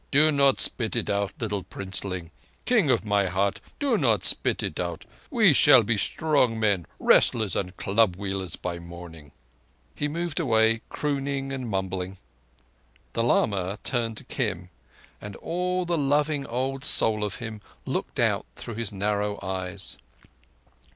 Do not spit it out, little Princeling! King of my Heart, do not spit it out, and we shall be strong men, wrestlers and club wielders, by morning." He moved away, crooning and mumbling. The lama turned to Kim, and all the loving old soul of him looked out through his narrow eyes.